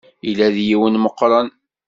Yella d yiwen meqqren.